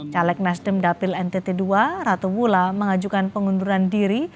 caleg nasdem dapil ntt ii ratu mula mengajukan pengunduran diri